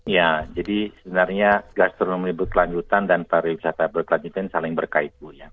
ya jadi sebenarnya gastronomi berkelanjutan dan pariwisata berkelanjutan saling berkait bu ya